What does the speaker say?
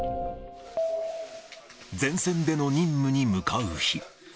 前線での任務に向かう日。